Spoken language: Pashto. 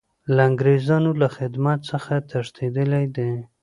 له انګریزانو له خدمت څخه تښتېدلی دی.